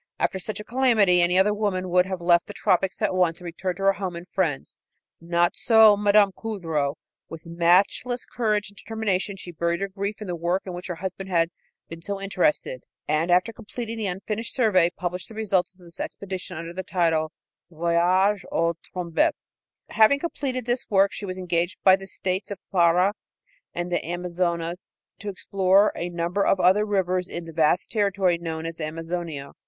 After such a calamity any other woman would have left the tropics at once and returned to her home and friends. Not so Mme. Coudreau. With matchless courage and determination she buried her grief in the work in which her husband had been so interested, and, after completing the unfinished survey, published the results of this expedition under the title Voyage au Trombetas. Having completed this work, she was engaged by the states of Pará and Amazonas to explore a number of other rivers in the vast territory known as Amazonia.